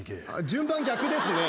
順番逆ですね。